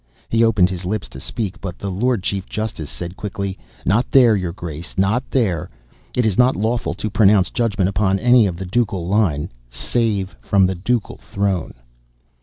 He opened his lips to speak, but the Lord Chief Justice said quickly: "Not there, your Grace, not there! It is not lawful to pronounce judgment upon any of the ducal line SAVE FROM THE DUCAL THRONE!"